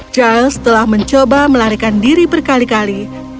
charles telah mencoba melarikan diri berkali kali